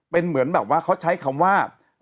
เป็นเหมือนแบบว่าเขาใช้คำว่า